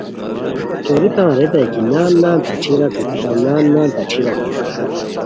توری تان ریتائے کی نان نان تہ ݯھیرا ݯوکیتام، نان نان تہ ݯھیرا ݯوکیتام!